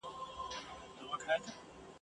له آدمه تر دې دمه دا قانون دی ..